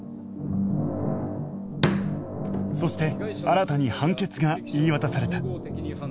そして新に判決が言い渡された